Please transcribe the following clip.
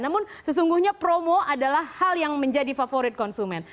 namun sesungguhnya promo adalah hal yang menjadi favorit konsumen